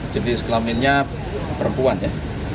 jenis kelaminnya perempuan ya